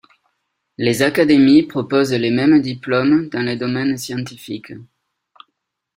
Les académies proposent les mêmes diplômes dans les domaines scientifiques.